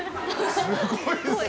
すごいですね。